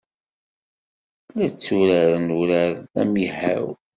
La tturaren urar d amihaw.